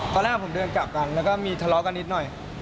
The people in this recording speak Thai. ตอนแรกผมเดินกลับกันแล้วก็มีทะเลาะกันนิดหน่อย